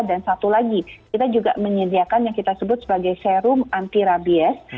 dan satu lagi kita juga menyediakan yang kita sebut sebagai serum antirabies